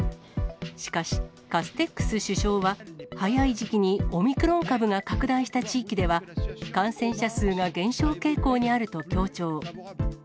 しかし、カステックス首相は、早い時期にオミクロン株が拡大した地域では、感染者数が減少傾向にあると強調。